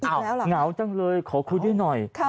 อ้าวงาวจังเลยขอคุยด้วยหน่อย